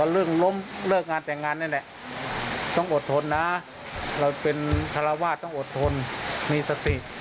ล้มเลิกงานแต่งงานนี่แหละต้องอดทนนะเราเป็นคาราวาสต้องอดทนมีสติ